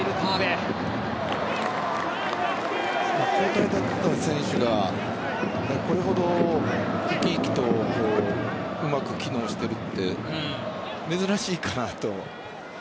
交代で入った選手がこれほど生き生きとうまく機能しているって珍しいかなと思う。